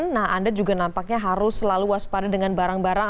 nah anda juga nampaknya harus selalu waspada dengan barang barang